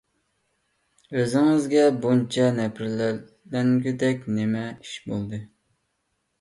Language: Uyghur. ئۆزىڭىزگە بۇنچە نەپرەتلەنگۈدەك نېمە ئىش بولدى؟